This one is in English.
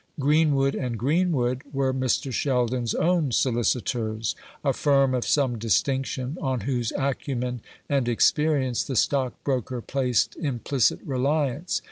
Greenwood and Greenwood were Mr. Sheldon's own solicitors a firm of some distinction, on whose acumen and experience the stockbroker placed implicit reliance.